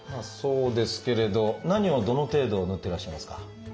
そうですけれど何をどの程度塗ってらっしゃいますか？